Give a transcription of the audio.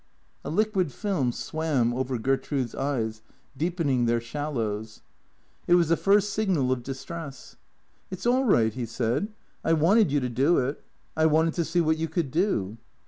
A liquid film swam over Gertrude's eyes, deepening their shallows. It was the first signal of distress. " It 's all right," he said. " I wanted you to do it. I wanted to see what you could do."